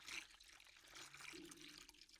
কী, জন?